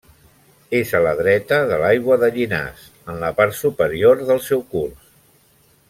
És a la dreta de l'Aigua de Llinars en la part superior del seu curs.